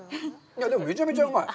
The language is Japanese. でもめちゃめちゃうまい。